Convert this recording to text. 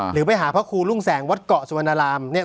หรือไปหาพระครูรุ่งแสงวัดเกาะสวนราม